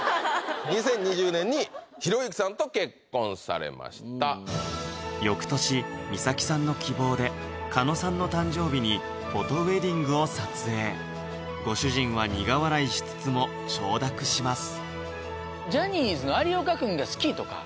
２０２０年に翌年美咲さんの希望で狩野さんの誕生日にフォトウエディング撮影ご主人は苦笑いしつつも承諾します